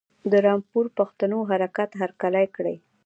د رامپور پښتنو حرکت هرکلی کړی.